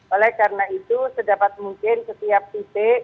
oleh karena itu sedapat mungkin setiap titik